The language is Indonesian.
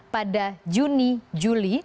pada juni juli